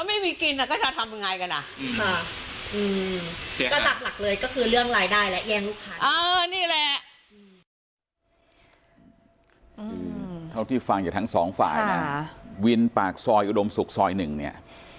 เท่าที่ฟังจากทั้งสองฝ่ายนะวินปากซอยอุดมศุกร์ซอยหนึ่งเนี่ย